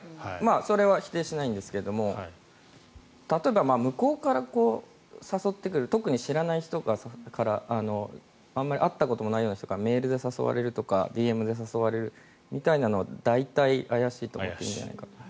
それは否定しないんですが例えば、向こうから誘ってくる特に知らない人からあまり会ったこともないような人からメールで誘われるとかＤＭで誘われるというのは大体、怪しいと思います。